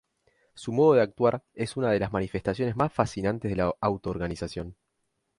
Su modo de actuar es una de las manifestaciones más fascinantes de la autoorganización.